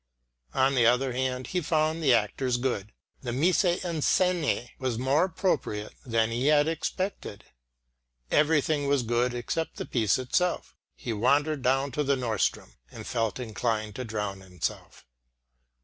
On the other hand he found the actors good; the mise en scène was more appropriate than he had expected. Everything was good except the piece itself. He wandered down to the Norrstrom, and felt inclined to drown himself.